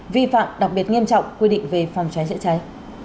vi phạm đặc biệt nghiêm trọng quy định về phòng trái trễ trái